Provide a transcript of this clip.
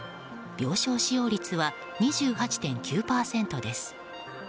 病床使用率は２８．９％です。